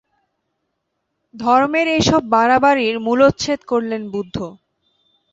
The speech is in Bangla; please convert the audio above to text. ধর্মের এইসব বাড়াবাড়ির মূলোচ্ছেদ করলেন বুদ্ধ।